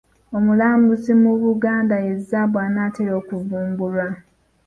Obulambuzi mu Buganda ye zzaabu anaatera okuvumbulwa.